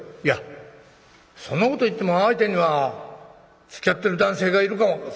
「いやそんなこと言っても相手にはつきあってる男性がいるかも」。